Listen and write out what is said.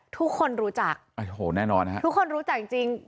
ทุกคนรู้จักโอ้โหแน่นอนฮะทุกคนรู้จักจริงจริง